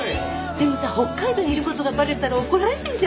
でもさ北海道にいる事がバレたら怒られるんじゃ？